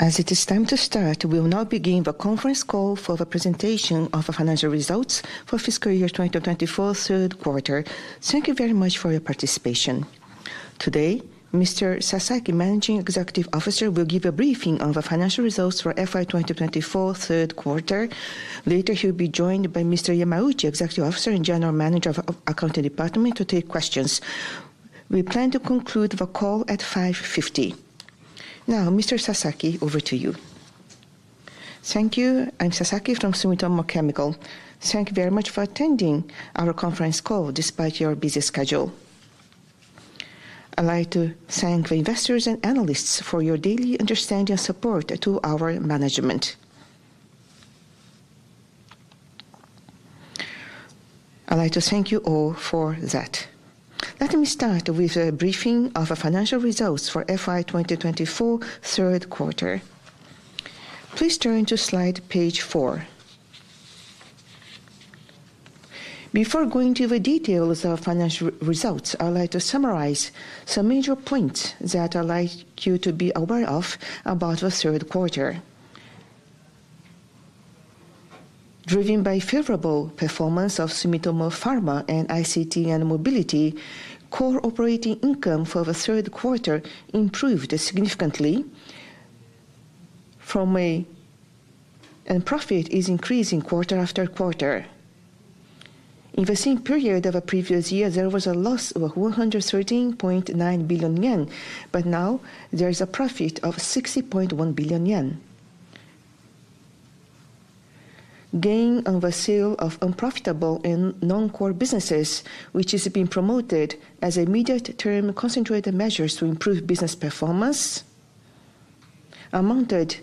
As it is time to start, we will now begin the conference call for the presentation of the financial results for fiscal year 2024, third quarter. Thank you very much for your participation. Today, Mr. Sasaki, Managing Executive Officer, will give a briefing on the financial results for FY 2024, third quarter. Later, he will be joined by Mr. Yamauchi, Executive Officer and General Manager of the Accounting Department, to take questions. We plan to conclude the call at 5:50 PM. Now, Mr. Sasaki, over to you. Thank you. I'm Sasaki from Sumitomo Chemical. Thank you very much for attending our conference call despite your busy schedule. I'd like to thank the investors and analysts for your daily understanding and support to our management. I'd like to thank you all for that. Let me start with a briefing of the financial results for FY 2024, third quarter. Please turn to slide page four. Before going to the details of financial results, I'd like to summarize some major points that I'd like you to be aware of about the third quarter. Driven by favorable performance of Sumitomo Pharma and ICT & Mobility, core operating income for the third quarter improved significantly. Profit is increasing quarter after quarter. In the same period of the previous year, there was a loss of 113.9 billion yen, but now there is a profit of 60.1 billion yen. Gain on the sale of unprofitable and non-core businesses, which has been promoted as immediate-term concentrated measures to improve business performance, amounted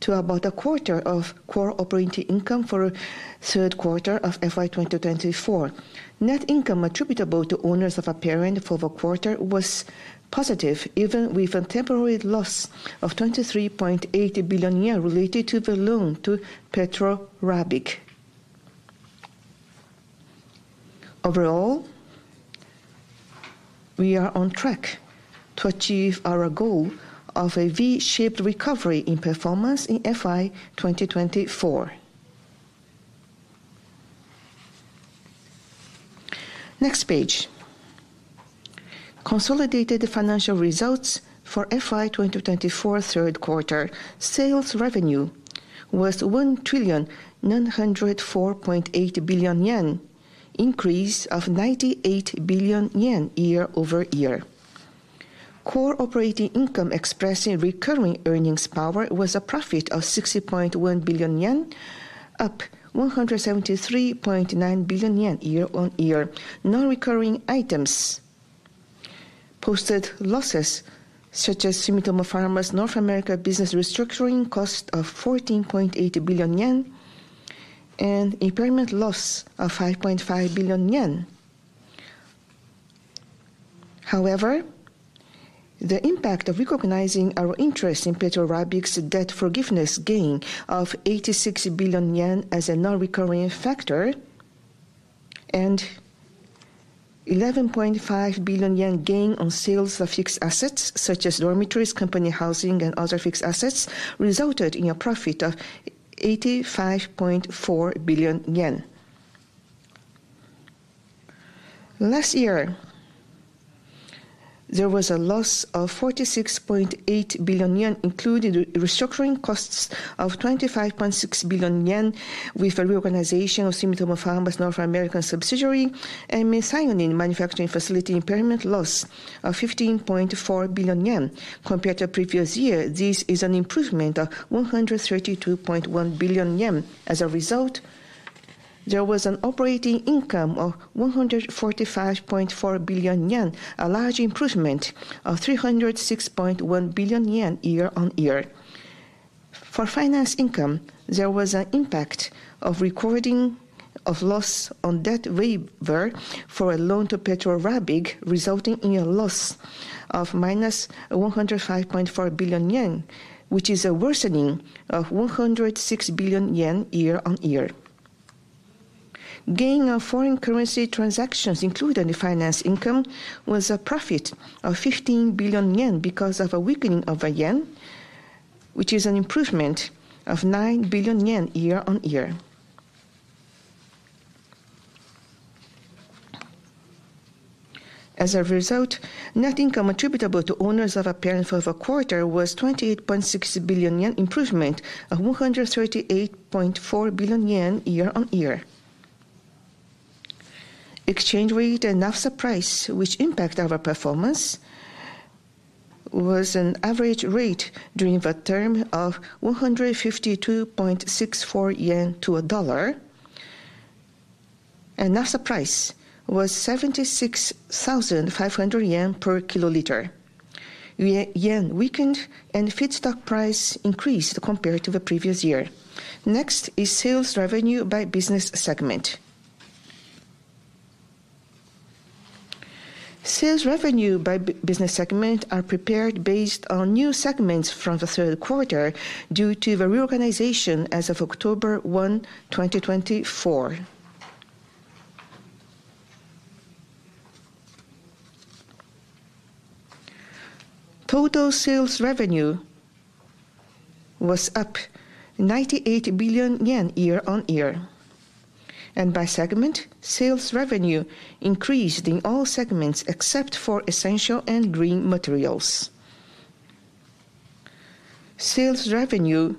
to about a quarter of core operating income for the third quarter of FY 2024. Net income attributable to owners of the parent for the quarter was positive, even with a temporary loss of 23.8 billion yen related to the loan to Petro Rabigh. Overall, we are on track to achieve our goal of a V-shaped recovery in performance in FY 2024. Next page. Consolidated financial results for FY 2024, third quarter. Sales revenue was 1,904.8 billion yen, increase of 98 billion yen year-over-year. Core operating income expressing recurring earnings power was a profit of 60.1 billion yen, up 173.9 billion yen year-on-year. Non-recurring items posted losses such as Sumitomo Pharma's North America business restructuring cost of 14.8 billion yen and impairment loss of 5.5 billion yen. However, the impact of recognizing our interest in Petro Rabigh's debt forgiveness gain of 86 billion yen as a non-recurring factor and 11.5 billion yen gain on sales of fixed assets such as dormitories, company housing, and other fixed assets resulted in a profit of 85.4 billion yen. Last year, there was a loss of 46.8 billion yen including restructuring costs of 25.6 billion yen with a reorganization of Sumitomo Pharma's North American subsidiary and methionine manufacturing facility impairment loss of 15.4 billion yen compared to the previous year. This is an improvement of 132.1 billion yen. As a result, there was an operating income of 145.4 billion yen, a large improvement of 306.1 billion yen year-on-year. For finance income, there was an impact of recording of loss on debt waiver for a loan to Petro Rabigh resulting in a loss of -105.4 billion yen, which is a worsening of 106 billion yen year-on-year. Gain on foreign currency transactions included in the finance income was a profit of 15 billion yen because of a weakening of the yen, which is an improvement of 9 billion yen year-on-year. As a result, net income attributable to owners of the parent for the quarter was 28.6 billion yen-improvement of 138.4 billion yen year-on-year. Exchange rate and naphtha price, which impact our performance, was an average rate during the term of 152.64 yen to a dollar. And naphtha price was 76,500 yen per kiloliter. The yen weakened and feedstock price increased compared to the previous year. Next is sales revenue by business segment. Sales revenue by business segment are prepared based on new segments from the third quarter due to the reorganization as of October 1, 2024. Total sales revenue was up 98 billion yen year-on-year. And by segment, sales revenue increased in all segments except for Essentials & Green Materials. Sales revenue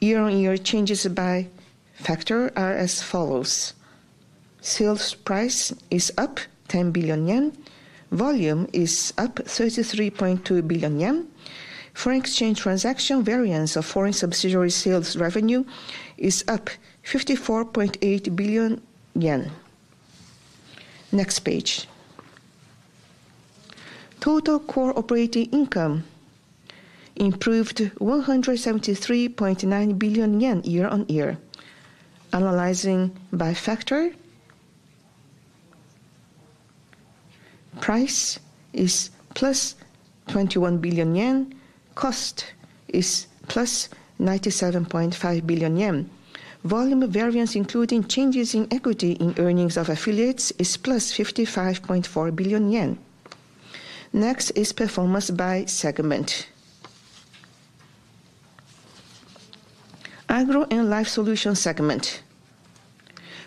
year-on-year changes by factor are as follows. Sales price is up 10 billion yen. Volume is up 33.2 billion yen. Foreign exchange transaction variance of foreign subsidiary sales revenue is up 54.8 billion yen. Next page. Total core operating income improved 173.9 billion yen year-on-year. Analyzing by factor, price is 21 billion yen. Cost is 97.5 billion yen. Volume variance including changes in equity in earnings of affiliates is +55.4 billion yen. Next is performance by segment. Agro & Life solutions segment.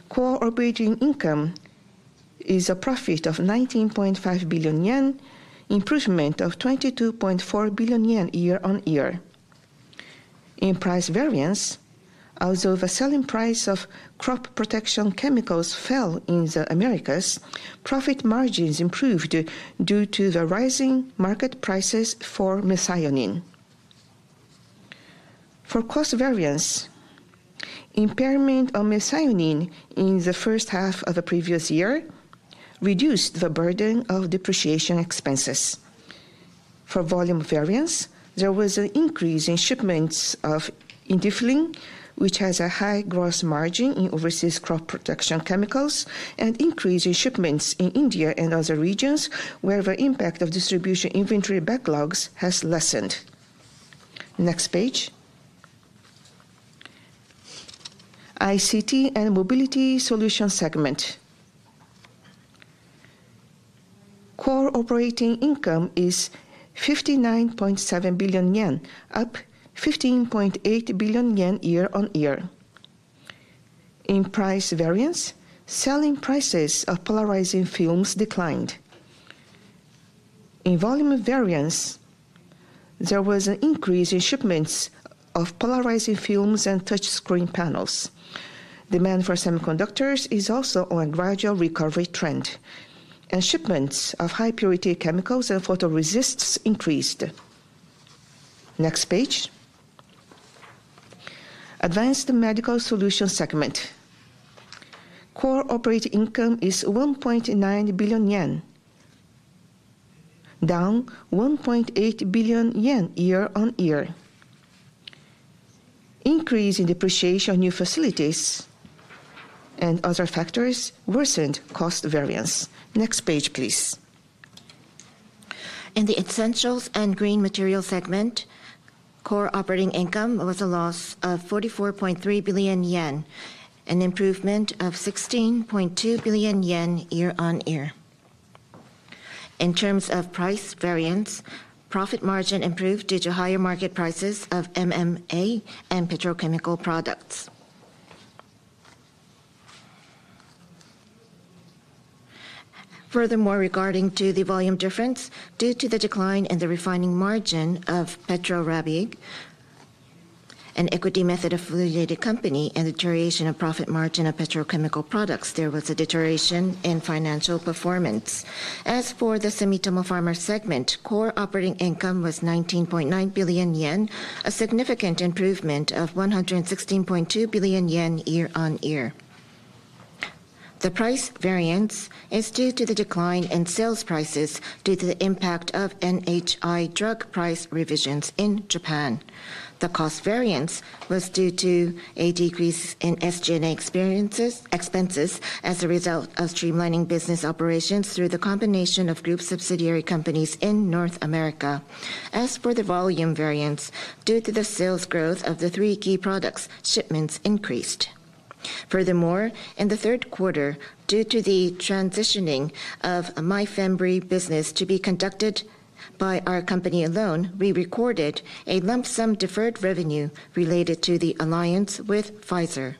Core operating income is a profit of 19.5 billion yen, an improvement of 22.4 billion yen year-on-year. In price variance, although the selling price of crop protection chemicals fell in the Americas, profit margins improved due to the rising market prices for methionine. For cost variance, impairment on methionine in the first half of the previous year reduced the burden of depreciation expenses. For volume variance, there was an increase in shipments of INDIFLIN, which has a high gross margin in overseas crop protection chemicals, and increase in shipments in India and other regions where the impact of distribution inventory backlogs has lessened. Next page. ICT & Mobility Solution Segment. Core operating income is 59.7 billion yen, up 15.8 billion yen year-on-year. In price variance, selling prices of polarizing films declined. In volume variance, there was an increase in shipments of polarizing films and touchscreen panels. Demand for semiconductors is also on a gradual recovery trend. Shipments of high-purity chemicals and photoresists increased. Next page. Advanced Medical Solutions Segment. Core operating income is 1.9 billion yen, down 1.8 billion yen year-on-year. Increase in depreciation on new facilities and other factors worsened cost variance. Next page, please. In the essentials and green materials segment, core operating income was a loss of 44.3 billion yen, an improvement of 16.2 billion yen year-on-year. In terms of price variance, profit margin improved due to higher market prices of MMA and petrochemical products. Furthermore, regarding to the volume difference, due to the decline in the refining margin of Petro Rabigh, an equity-method affiliated company, and the deterioration of profit margin of petrochemical products, there was a deterioration in financial performance. As for the Sumitomo Pharma segment, core operating income was 19.9 billion yen, a significant improvement of 116.2 billion yen year-on-year. The price variance is due to the decline in sales prices due to the impact of NHI drug price revisions in Japan. The cost variance was due to a decrease in SG&A expenses as a result of streamlining business operations through the combination of group subsidiary companies in North America. As for the volume variance, due to the sales growth of the three key products, shipments increased. Furthermore, in the third quarter, due to the transitioning of MYFEMBREE business to be conducted by our company alone, we recorded a lump sum deferred revenue related to the alliance with Pfizer.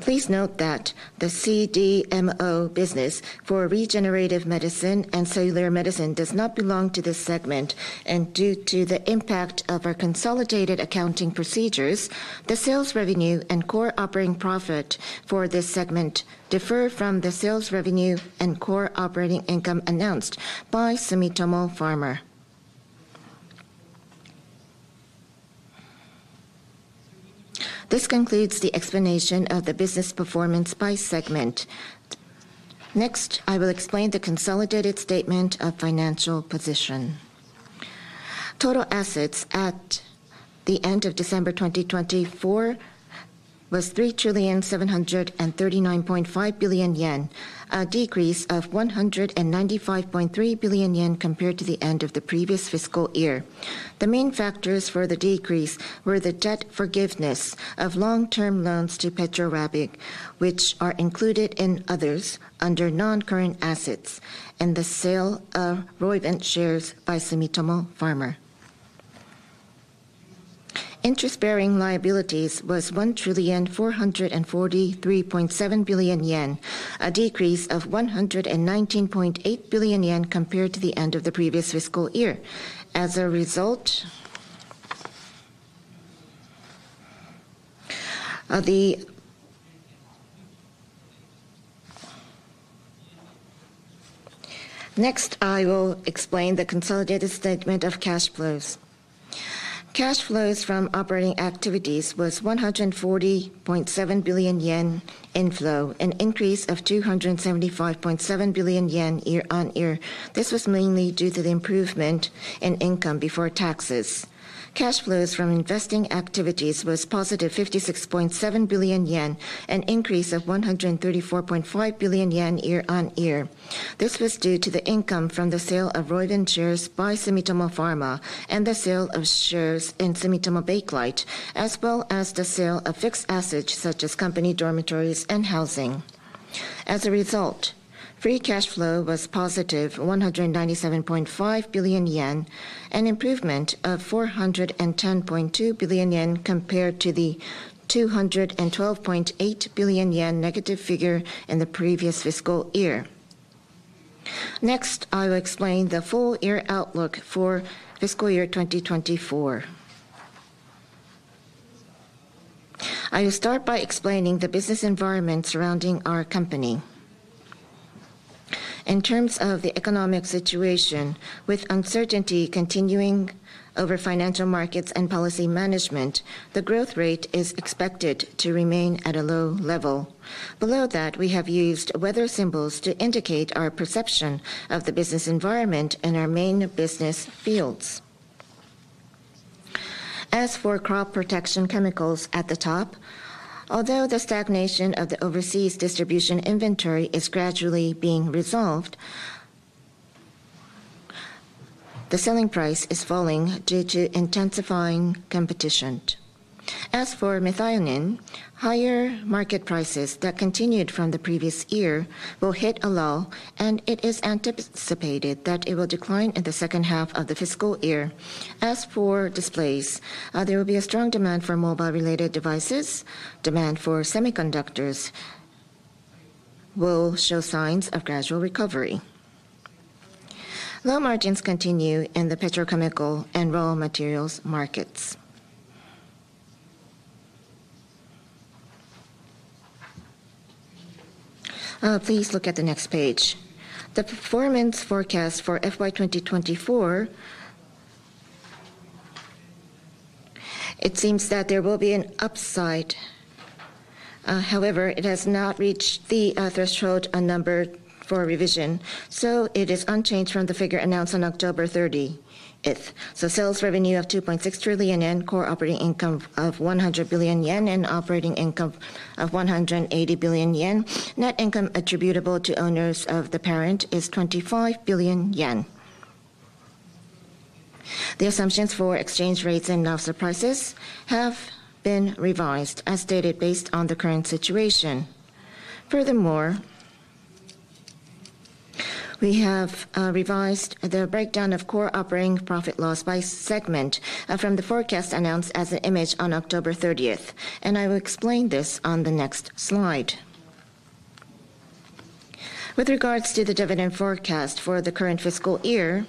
Please note that the CDMO business for regenerative medicine and cellular medicine does not belong to this segment, and due to the impact of our consolidated accounting procedures, the sales revenue and core operating profit for this segment differ from the sales revenue and core operating income announced by Sumitomo Pharma. This concludes the explanation of the business performance by segment. Next, I will explain the consolidated statement of financial position. Total assets at the end of December 2024 was 3,739.5 billion yen, a decrease of 195.3 billion yen compared to the end of the previous fiscal year. The main factors for the decrease were the debt forgiveness of long-term loans to Petro Rabigh, which are included in others under non-current assets, and the sale of Roivant shares by Sumitomo Pharma. Interest-bearing liabilities was 1,443.7 billion yen, a decrease of 119.8 billion yen compared to the end of the previous fiscal year. As a result, the next I will explain the consolidated statement of cash flows. Cash flows from operating activities was 140.7 billion yen inflow, an increase of 275.7 billion yen year-on-year. This was mainly due to the improvement in income before taxes. Cash flows from investing activities was positive 56.7 billion yen, an increase of 134.5 billion yen year-on-year. This was due to the income from the sale of Roivant shares by Sumitomo Pharma and the sale of shares in Sumitomo Bakelite, as well as the sale of fixed assets such as company dormitories and housing. As a result, free cash flow was 197.5 billion yen, an improvement of 410.2 billion yen compared to the 212.8 billion yen figure in the previous fiscal year. Next, I will explain the full year outlook for fiscal year 2024. I will start by explaining the business environment surrounding our company. In terms of the economic situation, with uncertainty continuing over financial markets and policy management, the growth rate is expected to remain at a low level. Below that, we have used weather symbols to indicate our perception of the business environment and our main business fields. As for crop protection chemicals at the top, although the stagnation of the overseas distribution inventory is gradually being resolved, the selling price is falling due to intensifying competition. As for methionine, higher market prices that continued from the previous year will hit a low, and it is anticipated that it will decline in the second half of the fiscal year. As for displays, there will be a strong demand for mobile-related devices. Demand for semiconductors will show signs of gradual recovery. Low margins continue in the petrochemical and raw materials markets. Please look at the next page. The performance forecast for FY 2024. It seems that there will be an upside. However, it has not reached the threshold numbered for revision, so it is unchanged from the figure announced on October 30th. Sales revenue of 2.6 trillion yen, core operating income of 100 billion yen, and operating income of 180 billion yen. Net income attributable to owners of the parent is 25 billion yen. The assumptions for exchange rates and naphtha prices have been revised, as stated, based on the current situation. Furthermore, we have revised the breakdown of core operating profit loss by segment from the forecast announced as an image on October 30th, and I will explain this on the next slide. With regards to the dividend forecast for the current fiscal year,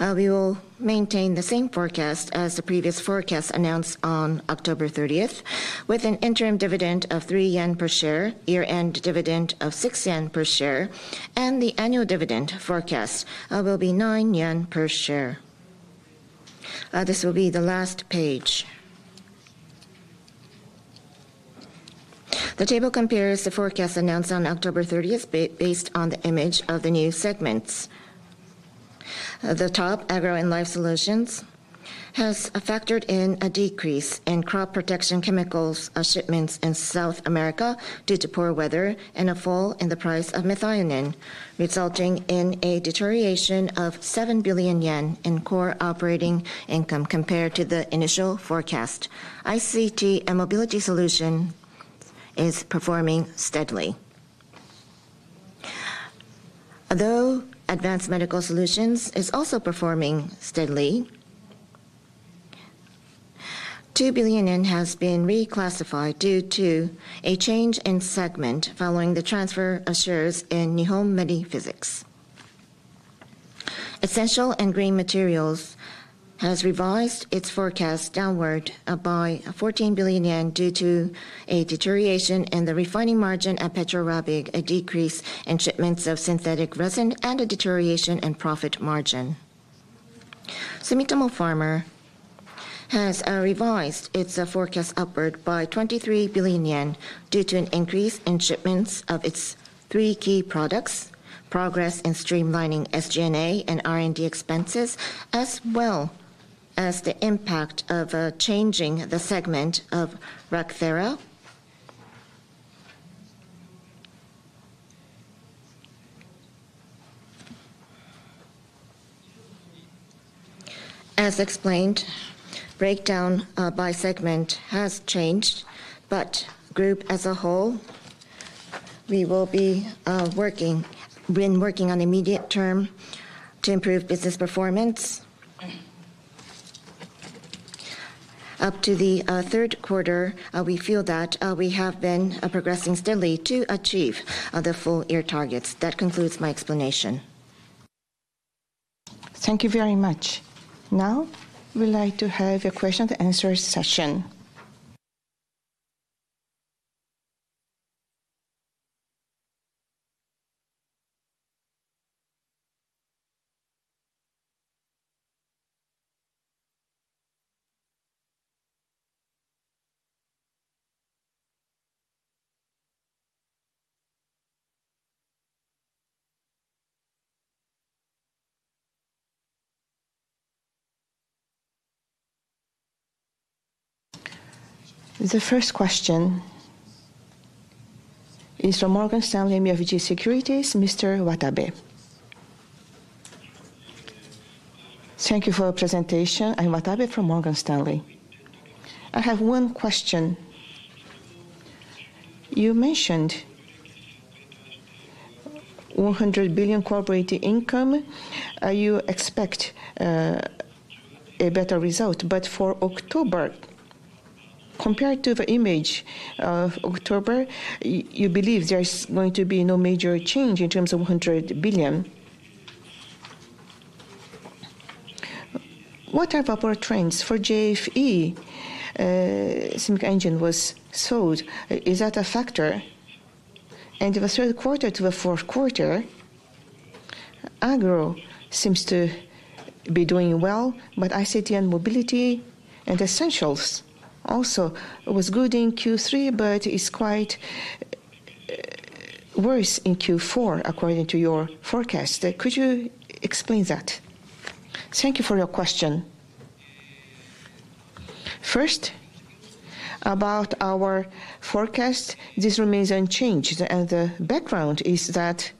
we will maintain the same forecast as the previous forecast announced on October 30th, with an interim dividend of 3 yen per share, year-end dividend of 6 yen per share, and the annual dividend forecast will be 9 yen per share. This will be the last page. The table compares the forecast announced on October 30th based on the image of the new segments. The top, Agro & Life Solutions, has factored in a decrease in crop protection chemicals shipments in South America due to poor weather and a fall in the price of methionine, resulting in a deterioration of 7 billion yen in core operating income compared to the initial forecast. ICT & Mobility Solutions is performing steadily. Though Advanced Medical Solutions is also performing steadily, 2 billion yen has been reclassified due to a change in segment following the transfer of shares in Nihon Medi-Physics. Essentials & Green Materials has revised its forecast downward by 14 billion yen due to a deterioration in the refining margin at Petro Rabigh, a decrease in shipments of synthetic resin, and a deterioration in profit margin. Sumitomo Pharma has revised its forecast upward by 23 billion yen due to an increase in shipments of its three key products, progress in streamlining SG&A and R&D expenses, as well as the impact of changing the segment of RACTHERA. As explained, breakdown by segment has changed, but group as a whole, we will be working in the immediate term to improve business performance. Up to the third quarter, we feel that we have been progressing steadily to achieve the full year targets. That concludes my explanation. Thank you very much. Now, we'd like to have a question-and-answer session. The first question is from Morgan Stanley MUFG Securities, Mr. Watabe. Thank you for your presentation. I'm Watabe from Morgan Stanley. I have one question. You mentioned 100 billion corporate income. You expect a better result, but for October, compared to the image of October, you believe there's going to be no major change in terms of 100 billion. What are the upward trends? For JFE, Sumitomo Chemical Engineering was sold. Is that a factor? And the third quarter to the fourth quarter, Agro seems to be doing well, but ICT & Mobility and Essentials also was good in Q3, but is quite worse in Q4, according to your forecast. Could you explain that? Thank you for your question. First, about our forecast, this remains unchanged, and the background is that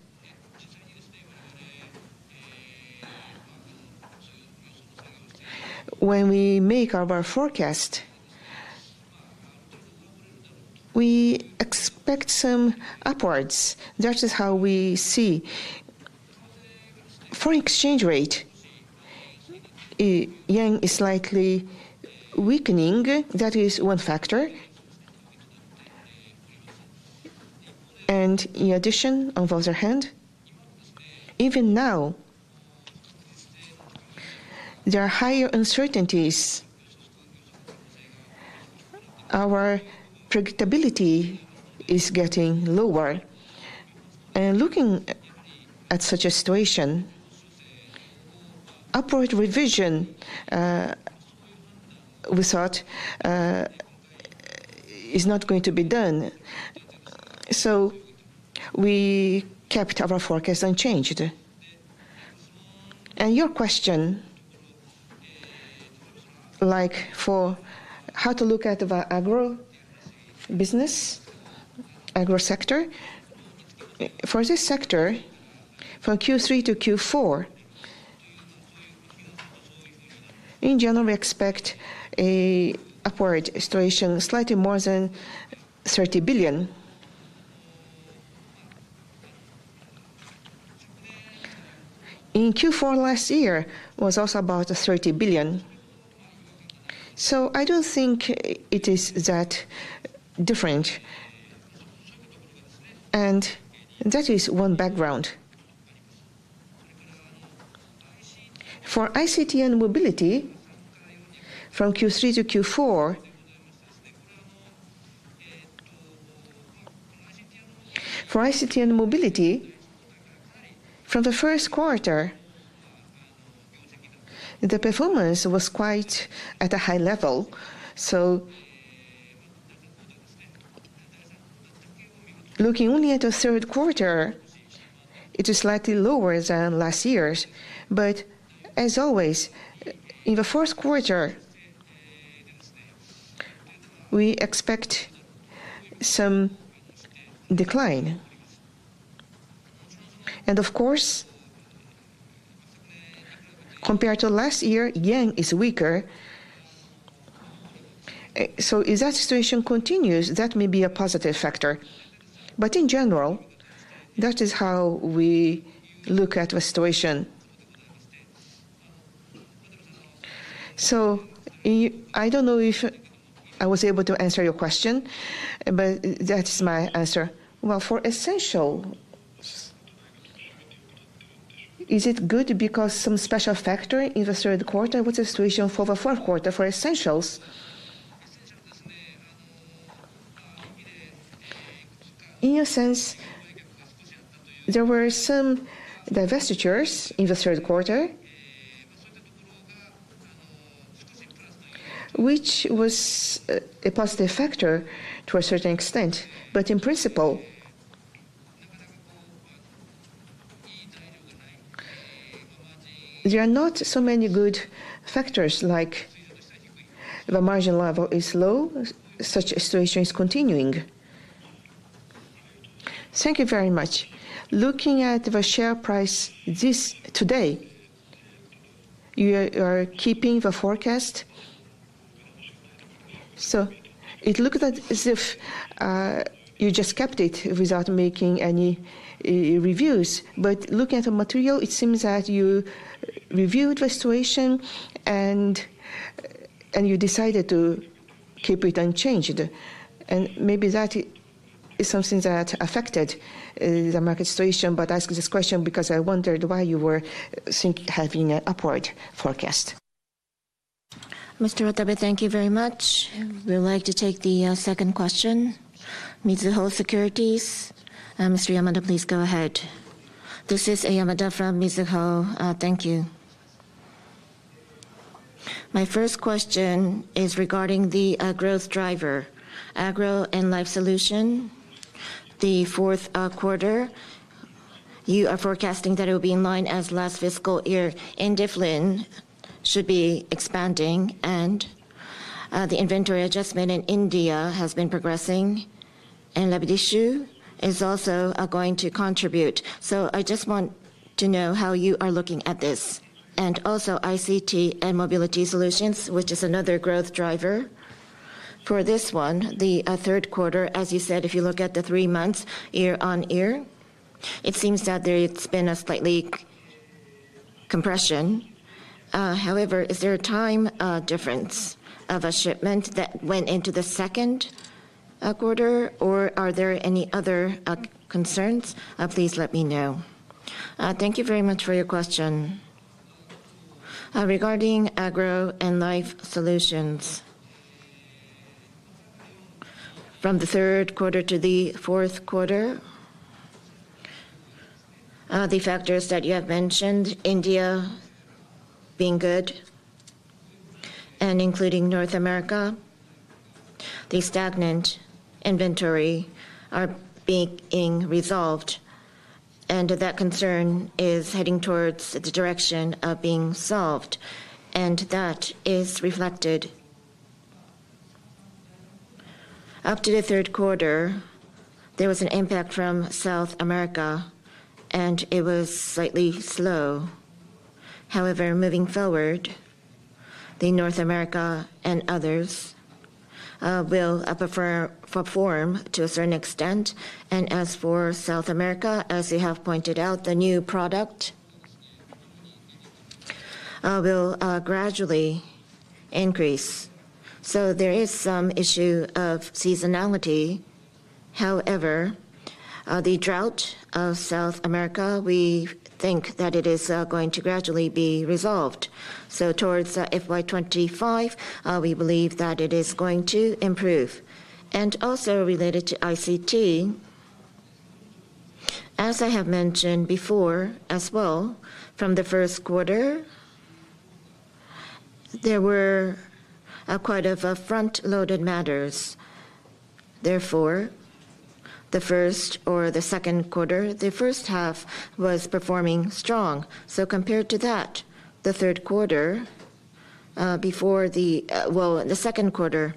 when we make our forecast, we expect some upwards. That is how we see. For exchange rate, yen is slightly weakening. That is one factor. And in addition, on the other hand, even now, there are higher uncertainties. Our predictability is getting lower. And looking at such a situation, upward revision, we thought, is not going to be done. So we kept our forecast unchanged. And your question, like for how to look at the Agro business, Agro sector, for this sector, from Q3 to Q4, in general, we expect an upward situation, slightly more than 30 billion. In Q4 last year, it was also about 30 billion. So I don't think it is that different. And that is one background. For ICT & Mobility, from Q3 to Q4, for ICT & Mobility, from the first quarter, the performance was quite at a high level. So looking only at the third quarter, it is slightly lower than last year. But as always, in the fourth quarter, we expect some decline. And of course, compared to last year, yen is weaker. So if that situation continues, that may be a positive factor. But in general, that is how we look at the situation. So I don't know if I was able to answer your question, but that is my answer. Well, for Essentials, is it good because some special factor in the third quarter was a situation for the fourth quarter for Essentials? In a sense, there were some divestitures in the third quarter, which was a positive factor to a certain extent. But in principle, there are not so many good factors like the margin level is low; such a situation is continuing. Thank you very much. Looking at the share price today, you are keeping the forecast. So it looks as if you just kept it without making any reviews. But looking at the material, it seems that you reviewed the situation and you decided to keep it unchanged. And maybe that is something that affected the market situation. But I ask this question because I wondered why you were having an upward forecast. Mr. Watabe, thank you very much. We'd like to take the second question, Mizuho Securities. Mr. Yamada, please go ahead. This is Yamada from Mizuho. Thank you. My first question is regarding the growth driver, Agro & Life Solutions. The fourth quarter, you are forecasting that it will be in line as last fiscal year. INDIFLIN should be expanding, and the inventory adjustment in India has been progressing. And Rapidicil is also going to contribute. So I just want to know how you are looking at this. And also, ICT & Mobility Solutions, which is another growth driver. For this one, the third quarter, as you said, if you look at the three months year-on-year, it seems that there has been a slightly compression. However, is there a time difference of a shipment that went into the second quarter, or are there any other concerns? Please let me know. Thank you very much for your question. Regarding Agro & Life Solutions, from the third quarter to the fourth quarter, the factors that you have mentioned, India being good and including North America, the stagnant inventory are being resolved, and that concern is heading towards the direction of being solved, and that is reflected. Up to the third quarter, there was an impact from South America, and it was slightly slow. However, moving forward, North America and others will perform to a certain extent. And as for South America, as you have pointed out, the new product will gradually increase. So there is some issue of seasonality. However, the drought of South America, we think that it is going to gradually be resolved. So towards FY 2025, we believe that it is going to improve. And also related to ICT, as I have mentioned before as well, from the first quarter, there were quite a front-loaded matters. Therefore, the first or the second quarter, the first half was performing strong. So compared to that, the third quarter, before the, well, the second quarter,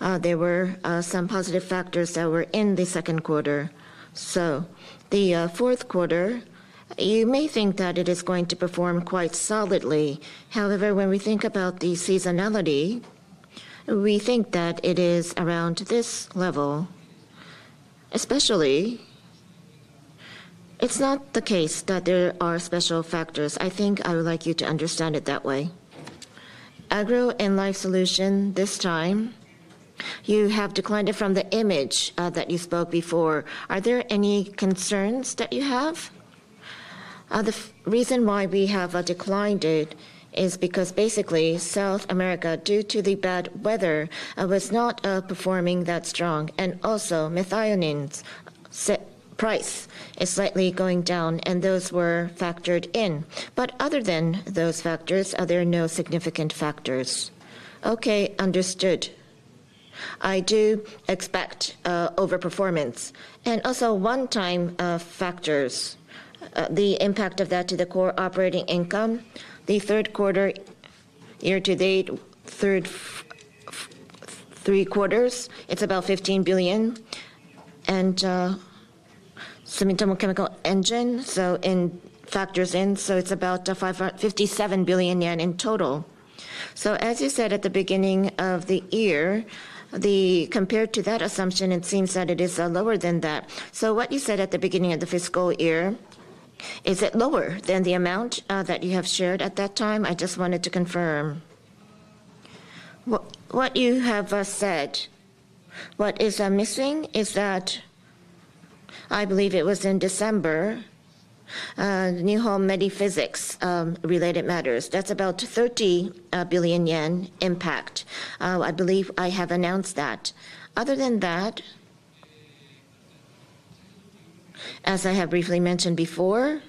there were some positive factors that were in the second quarter. So the fourth quarter, you may think that it is going to perform quite solidly. However, when we think about the seasonality, we think that it is around this level. Especially, it's not the case that there are special factors. I think I would like you to understand it that way. Agro & Life Solutions, this time, you have declined it from the image that you spoke before. Are there any concerns that you have? The reason why we have declined it is because basically South America, due to the bad weather, was not performing that strong. And also, methionine's price is slightly going down, and those were factored in. But other than those factors, there are no significant factors. Okay, understood. I do expect overperformance. And also, one-time factors, the impact of that to the core operating income, the third quarter, year-to-date, three quarters, it's about 15 billion. And Sumitomo Chemical Engineering, so in factors in, so it's about 57 billion yen in total. So as you said at the beginning of the year, compared to that assumption, it seems that it is lower than that. So what you said at the beginning of the fiscal year, is it lower than the amount that you have shared at that time? I just wanted to confirm. What you have said, what is missing is that I believe it was in December, Nihon Medi-Physics related matters. That's about 30 billion yen impact. I believe I have announced that. Other than that, as I have briefly mentioned before,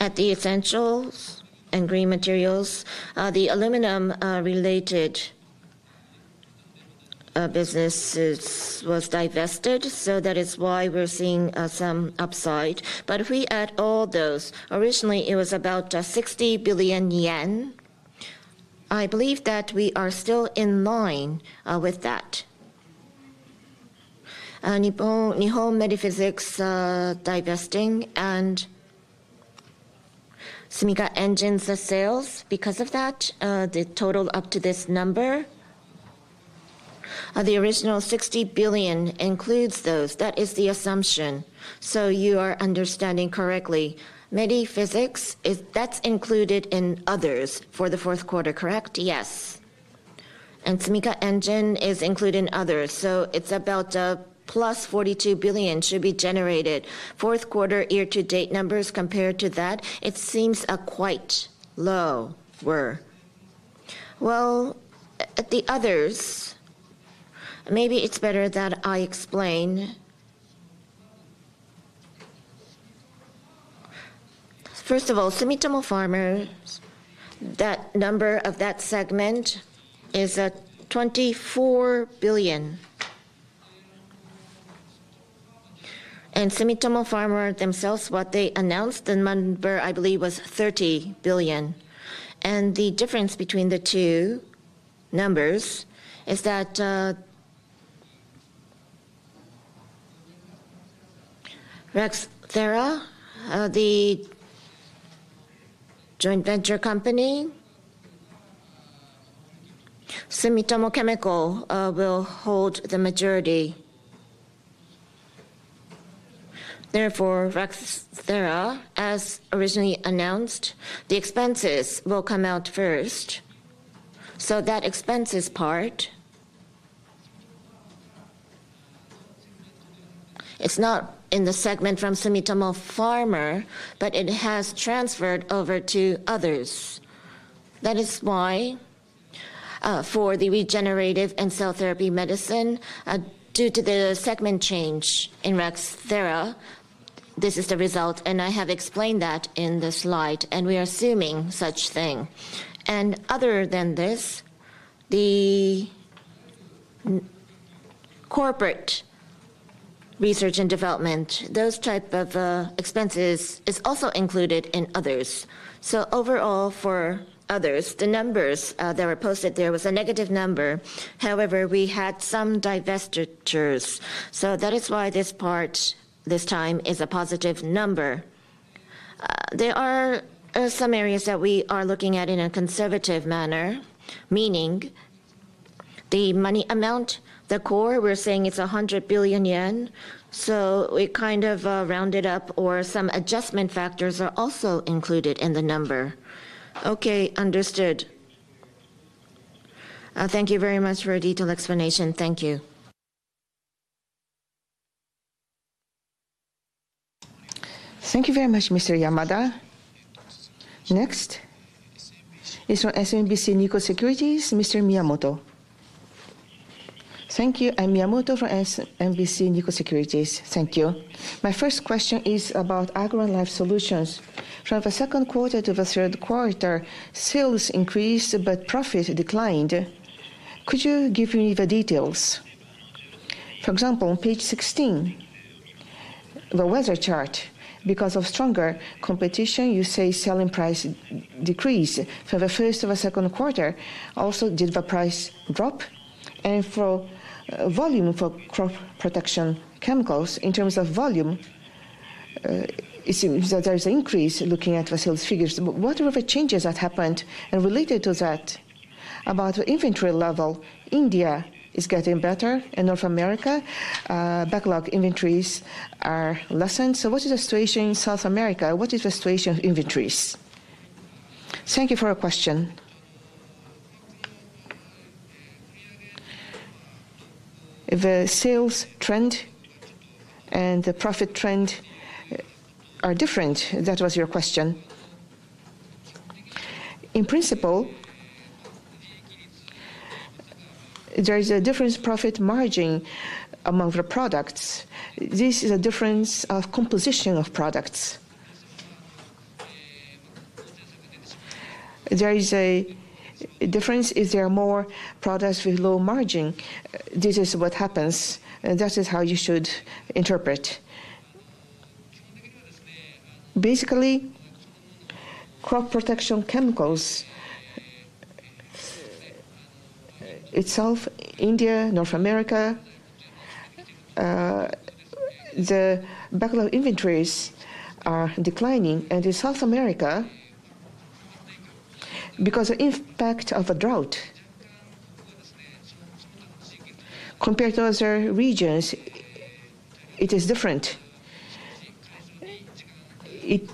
at the Essentials & Green Materials, the aluminum-related businesses were divested, so that is why we're seeing some upside. But if we add all those, originally it was about 60 billion yen. I believe that we are still in line with that. Nihon Medi-Physics divesting and Sumitomo Chemical Engineering's sales, because of that, the total up to this number, the original 60 billion includes those. That is the assumption. So you are understanding correctly. Medi-Physics, that's included in others for the fourth quarter, correct? Yes. And Sumitomo Chemical Engineering is included in others. So it's about plus 42 billion should be generated. Fourth quarter year-to-date numbers compared to that, it seems quite low. Well, the others, maybe it's better that I explain. First of all, Sumitomo Pharma, that number of that segment is 24 billion, and Sumitomo Pharma themselves, what they announced, the number I believe was 30 billion, and the difference between the two numbers is that RACTHERA, the joint venture company, Sumitomo Chemical will hold the majority. Therefore, RACTHERA, as originally announced, the expenses will come out first, so that expenses part, it's not in the segment from Sumitomo Pharma, but it has transferred over to others. That is why for the regenerative and cell therapy medicine, due to the segment change in RACTHERA, this is the result, and I have explained that in the slide, and we are assuming such thing. And other than this, the corporate research and development, those type of expenses is also included in others. So overall for others, the numbers that were posted, there was a negative number. However, we had some divestitures. So that is why this part this time is a positive number. There are some areas that we are looking at in a conservative manner, meaning the money amount, the core, we're saying it's 100 billion yen. So we kind of rounded up or some adjustment factors are also included in the number. Okay, understood. Thank you very much for a detailed explanation. Thank you. Thank you very much, Mr. Yamada. Next is from SMBC Nikko Securities, Mr. Miyamoto. Thank you. I'm Miyamoto from SMBC Nikko Securities. Thank you. My first question is about Agro & Life Solutions. From the second quarter to the third quarter, sales increased, but profit declined. Could you give me the details? For example, on page 16, the weather chart, because of stronger competition, you say selling price decreased for the first or the second quarter. Also, did the price drop? And for volume for crop protection chemicals, in terms of volume, it seems that there's an increase looking at the sales figures. What were the changes that happened? And related to that, about the inventory level, India is getting better and North America, backlog inventories are lessened. So what is the situation in South America? What is the situation of inventories? Thank you for the question. The sales trend and the profit trend are different. That was your question. In principle, there is a difference in profit margin among the products. This is a difference of composition of products. There is a difference if there are more products with low margin. This is what happens. That is how you should interpret. Basically, crop protection chemicals itself, India, North America, the backlog inventories are declining, and in South America, because of the impact of a drought, compared to other regions, it is different. It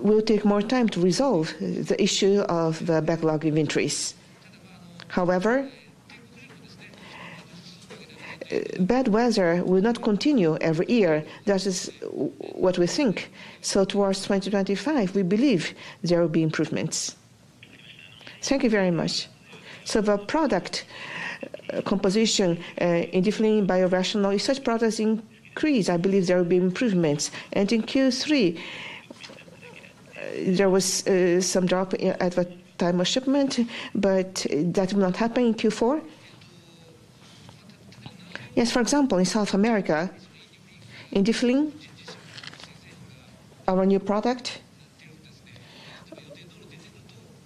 will take more time to resolve the issue of backlog inventories. However, bad weather will not continue every year. That is what we think, so towards 2025, we believe there will be improvements. Thank you very much. So the product composition, INDIFLIN, biorationals, such products increase. I believe there will be improvements, and in Q3, there was some drop at the time of shipment, but that will not happen in Q4? Yes, for example, in South America, INDIFLIN, our new product,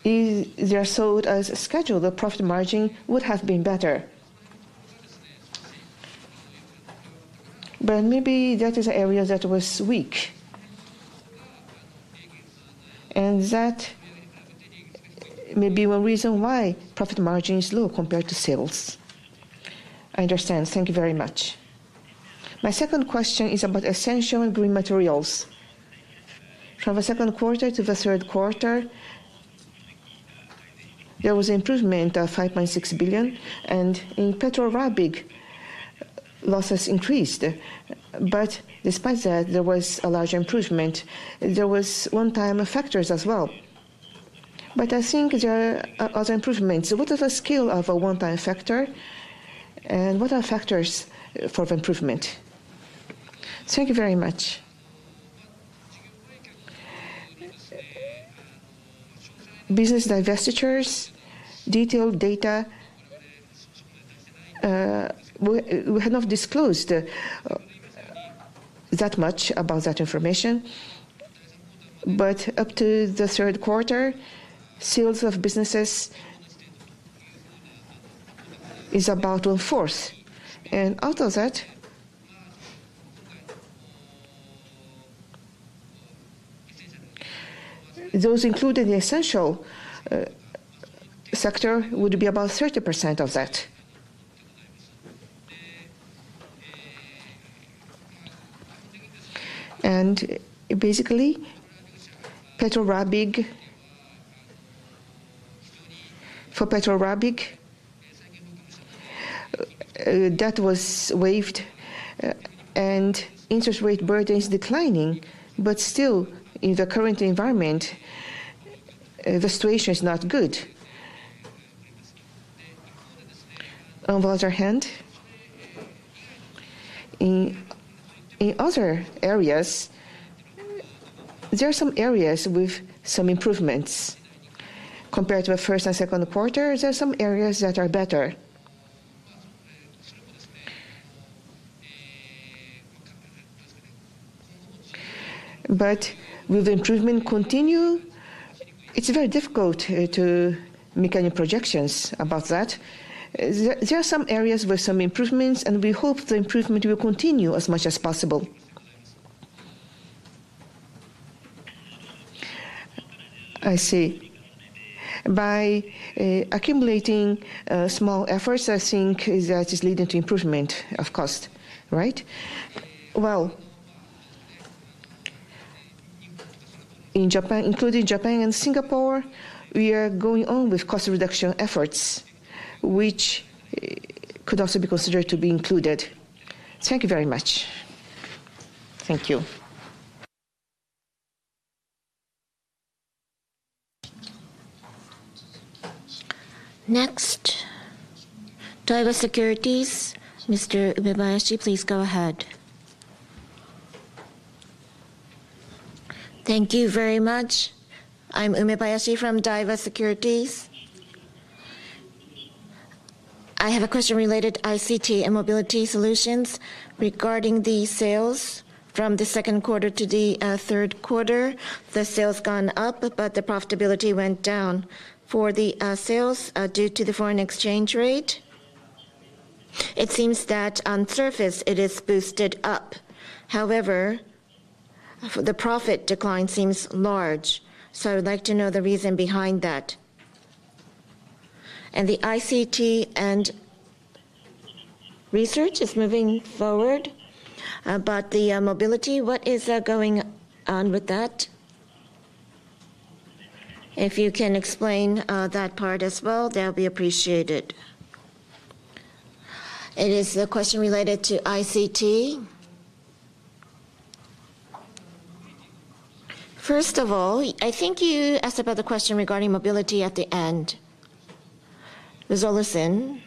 they are sold as scheduled. The profit margin would have been better, but maybe that is an area that was weak. That may be one reason why profit margin is low compared to sales. I understand. Thank you very much. My second question is about Essentials & Green Materials. From the second quarter to the third quarter, there was an improvement of 5.6 billion. In Petro Rabigh, losses increased. Despite that, there was a large improvement. There were one-time factors as well. I think there are other improvements. What is the scale of a one-time factor? What are factors for the improvement? Thank you very much. Business divestitures, detailed data. We have not disclosed that much about that information. Up to the third quarter, sales of businesses is about one-fourth. Out of that, those included in the Essentials sector would be about 30% of that. Basically, for Petro Rabigh, that was waived. Interest rate burden is declining. But still, in the current environment, the situation is not good. On the other hand, in other areas, there are some areas with some improvements. Compared to the first and second quarter, there are some areas that are better. But will the improvement continue? It's very difficult to make any projections about that. There are some areas with some improvements, and we hope the improvement will continue as much as possible. I see. By accumulating small efforts, I think that is leading to improvement of cost, right? Well, including Japan and Singapore, we are going on with cost reduction efforts, which could also be considered to be included. Thank you very much. Thank you. Next, Daiwa Securities. Mr. Umebayashi, please go ahead. Thank you very much. I'm Umebayashi from Daiwa Securities. I have a question related to ICT & Mobility solutions regarding the sales from the second quarter to the third quarter. The sales gone up, but the profitability went down for the sales due to the foreign exchange rate. It seems that on surface, it is boosted up. However, the profit decline seems large. So I would like to know the reason behind that. And the ICT and research is moving forward, but the mobility, what is going on with that? If you can explain that part as well, that would be appreciated. It is a question related to ICT. First of all, I think you asked about the question regarding mobility at the end. It was all the same.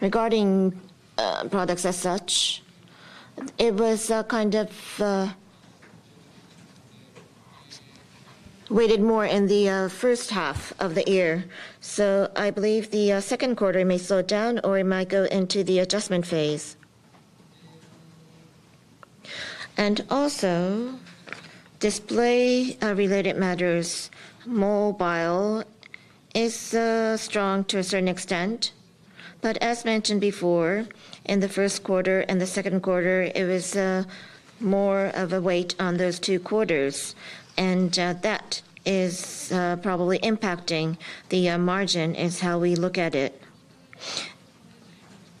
Regarding products as such, it was kind of weighted more in the first half of the year. So I believe the second quarter may slow down or it might go into the adjustment phase. And also, display-related matters, mobile, is strong to a certain extent. But as mentioned before, in the first quarter and the second quarter, it was more of a weight on those two quarters. And that is probably impacting the margin is how we look at it.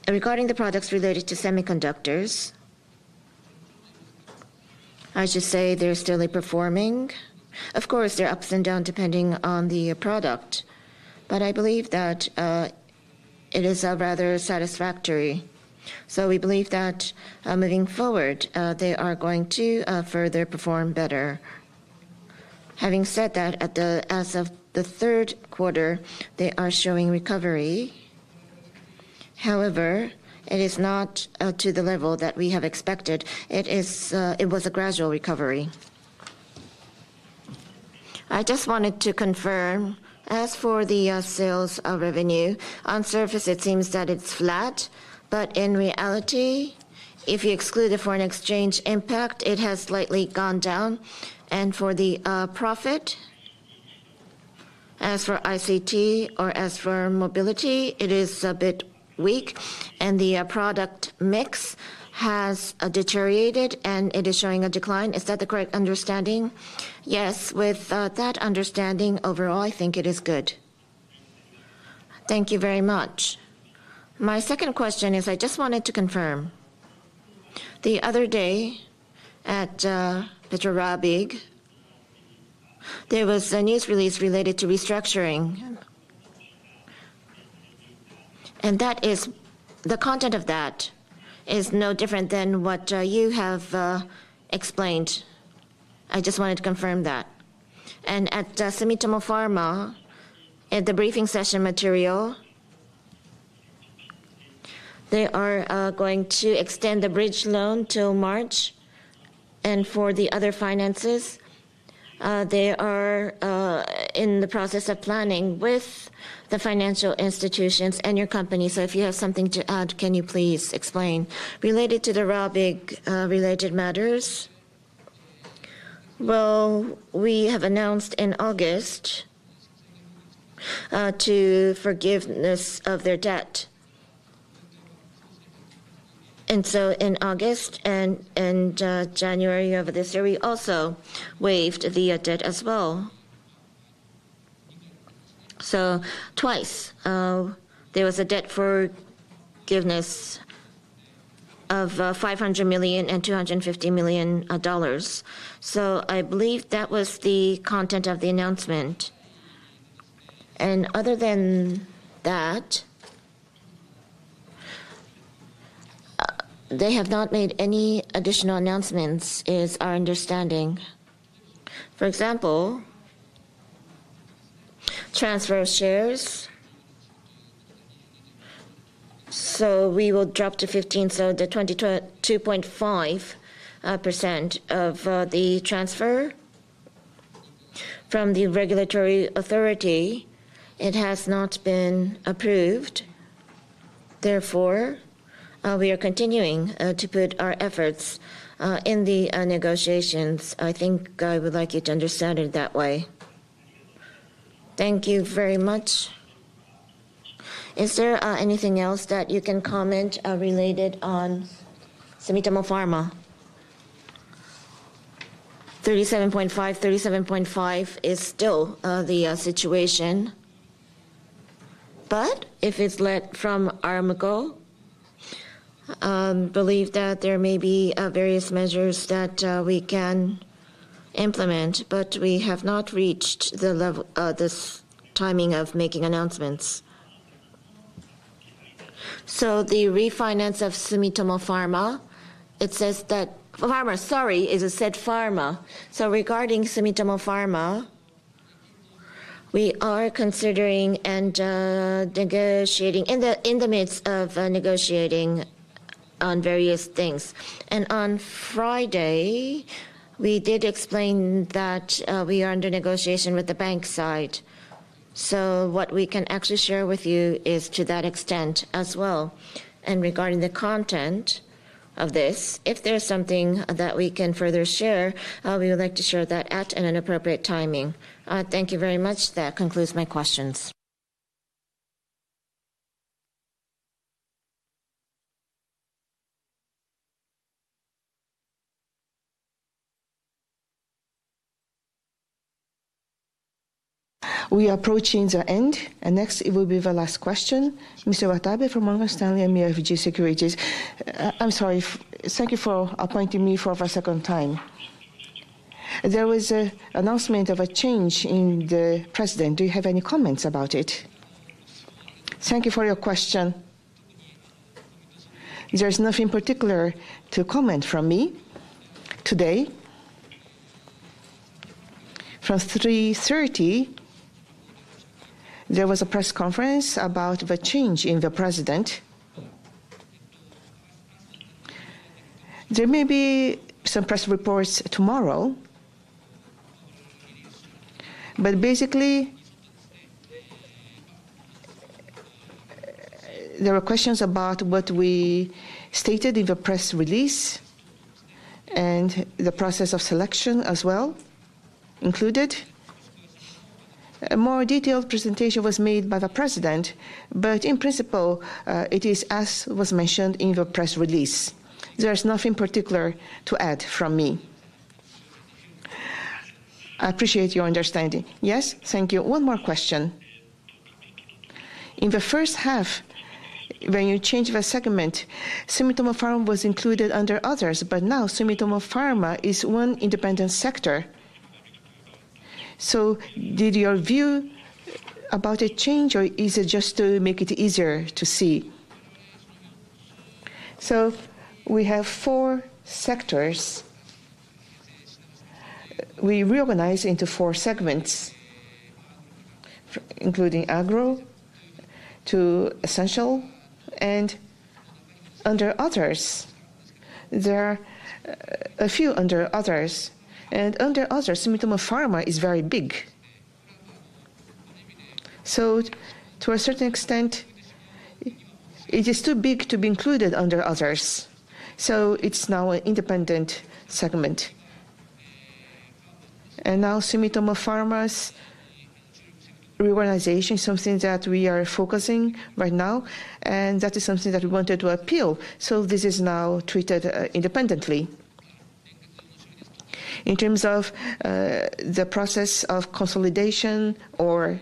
Regarding the products related to semiconductors, I should say they're still performing. Of course, they have ups and downs depending on the product. But I believe that it is rather satisfactory. So we believe that moving forward, they are going to further perform better. Having said that, as of the third quarter, they are showing recovery. However, it is not to the level that we have expected. It was a gradual recovery. I just wanted to confirm. As for the sales revenue, on surface, it seems that it's flat. But in reality, if you exclude the foreign exchange impact, it has slightly gone down. And for the profit, as for ICT or as for mobility, it is a bit weak. And the product mix has deteriorated and it is showing a decline. Is that the correct understanding? Yes. With that understanding, overall, I think it is good. Thank you very much. My second question is I just wanted to confirm. The other day at Petro Rabigh, there was a news release related to restructuring. And the content of that is no different than what you have explained. I just wanted to confirm that. And at Sumitomo Pharma, in the briefing session material, they are going to extend the bridge loan till March. For the other finances, they are in the process of planning with the financial institutions and your company. So if you have something to add, can you please explain? Related to the Rabigh-related matters, well, we have announced in August the forgiveness of their debt. And so in August and January of this year, we also waived the debt as well. So twice, there was a debt forgiveness of $500 million and $250 million. So I believe that was the content of the announcement. And other than that, they have not made any additional announcements, is our understanding. For example, transfer of shares. So we will drop to 15%, so the 22.5% of the transfer from the regulatory authority. It has not been approved. Therefore, we are continuing to put our efforts in the negotiations. I think I would like you to understand it that way. Thank you very much. Is there anything else that you can comment on related to Sumitomo Pharma? Thirty-seven point five, 37.5 is still the situation. But if it's left to our MGO, I believe that there may be various measures that we can implement. But we have not reached the timing of making announcements. So the refinance of Sumitomo Pharma, it's Pharma, sorry, it's Sumitomo Pharma. So regarding Sumitomo Pharma, we are considering and negotiating in the midst of negotiating on various things. And on Friday, we did explain that we are under negotiation with the bank side. So what we can actually share with you is to that extent as well. And regarding the content of this, if there's something that we can further share, we would like to share that at an appropriate timing. Thank you very much. That concludes my questions. We are approaching the end. Next, it will be the last question. Mr. Watabe from Morgan Stanley MUFG Securities. I'm sorry. Thank you for appointing me for the second time. There was an announcement of a change in the president. Do you have any comments about it? Thank you for your question. There's nothing particular to comment from me today. From 3:30 PM, there was a press conference about the change in the president. There may be some press reports tomorrow. But basically, there were questions about what we stated in the press release and the process of selection as well included. A more detailed presentation was made by the president. But in principle, it is as was mentioned in the press release. There's nothing particular to add from me. I appreciate your understanding. Yes? Thank you. One more question. In the first half, when you changed the segment, Sumitomo Pharma was included under others, but now, Sumitomo Pharma is one independent sector. So did your view change or is it just to make it easier to see? So we have four sectors. We reorganized into four segments, including Agro to Essentials and under Others. There are a few under Others, and under Others, Sumitomo Pharma is very big, so to a certain extent, it is too big to be included under Others, so it's now an independent segment, and now, Sumitomo Pharma's reorganization is something that we are focusing right now, and that is something that we wanted to appeal, so this is now treated independently. In terms of the process of consolidation or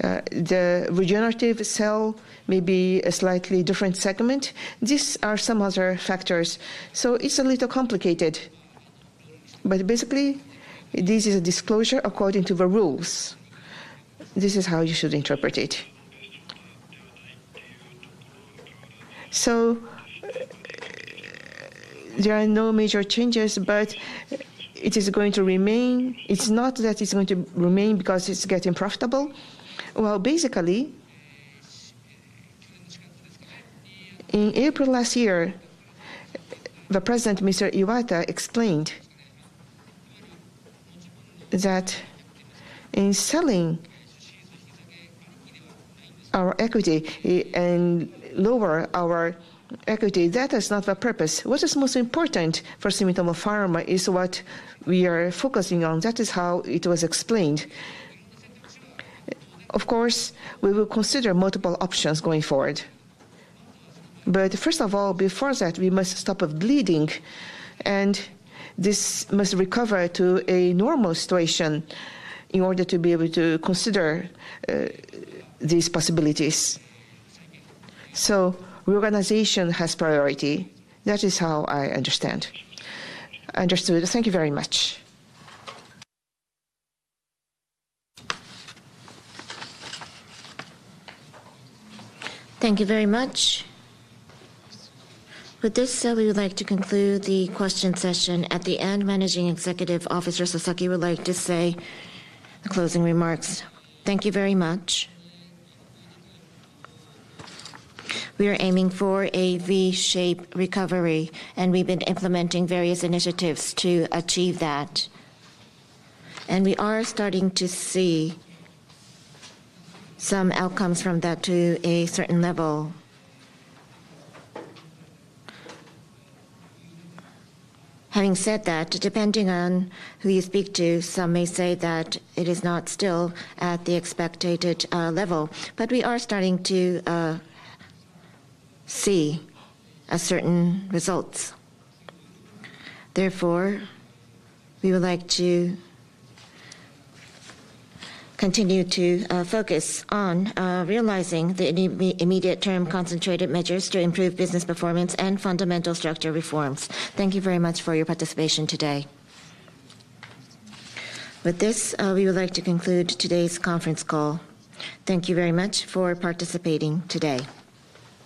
the regenerative cell, maybe a slightly different segment, these are some other factors, so it's a little complicated. Basically, this is a disclosure according to the rules. This is how you should interpret it. There are no major changes, but it is going to remain. It's not that it's going to remain because it's getting profitable. Basically, in April last year, the president, Mr. Iwata, explained that in selling our equity and lower our equity, that is not the purpose. What is most important for Sumitomo Pharma is what we are focusing on. That is how it was explained. Of course, we will consider multiple options going forward. First of all, before that, we must stop bleeding. This must recover to a normal situation in order to be able to consider these possibilities. Reorganization has priority. That is how I understand. Understood. Thank you very much. Thank you very much. With this, we would like to conclude the question session. At the end, Managing Executive Officer Sasaki would like to say the closing remarks. Thank you very much. We are aiming for a V-shaped recovery, and we've been implementing various initiatives to achieve that, and we are starting to see some outcomes from that to a certain level. Having said that, depending on who you speak to, some may say that it is not still at the expected level, but we are starting to see certain results. Therefore, we would like to continue to focus on realizing the immediate-term concentrated measures to improve business performance and fundamental structure reforms. Thank you very much for your participation today. With this, we would like to conclude today's conference call. Thank you very much for participating today.